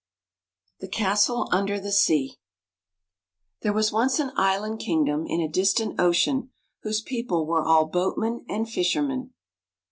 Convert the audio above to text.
The Castle Under the Sea T HERE was once an island kingdom in a distant ocean, whose people were all boatmen and fishermen.